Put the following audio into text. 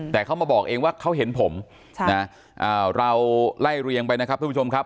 แต่เขามาบอกเองว่าเขาเห็นผมเราไล่เรียงไปนะครับทุกผู้ชมครับ